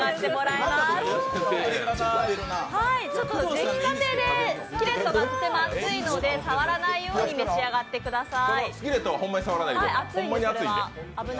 できたてでスキレットがとても熱いので触らないよう召し上がってください。